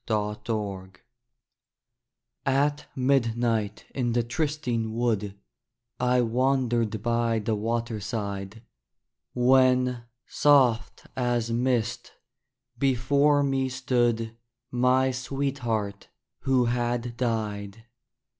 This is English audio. AT MIDNIGHT At midnight in the trysting wood I wandered by the waterside, When, soft as mist, before me stood My sweetheart who had died.